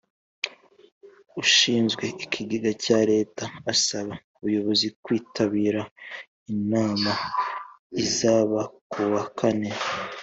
ushinzwe Ikigega cya Leta asaba Abayobozi kwitabira inama izaba kuwa kane